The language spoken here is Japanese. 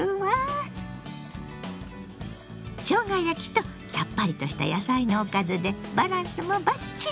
しょうが焼きとさっぱりとした野菜のおかずでバランスもバッチリ！